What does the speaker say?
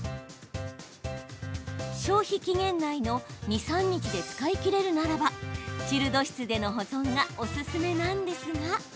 消費期限内の２３日で使い切れるならばチルド室での保存がオススメなんですが。